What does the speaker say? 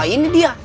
oh ini dia